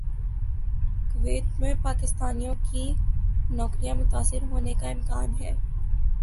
Kuwait میں پاکستانیوں کی نوکریاں متاثر ہونے کا امکان ہے